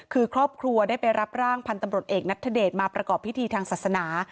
คือครอบครัวได้ไปรับร่างพันธ์ตำรวจเอกนัทธเดชมาประกอบพิธีทางศาสนา